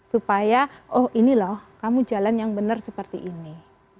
supaya oh ini loh kamu jalan yang benar seperti ini